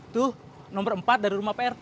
tuh nomor empat dari rumah pr